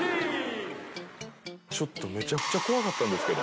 ちょっと、めちゃくちゃ怖かったんですけれど。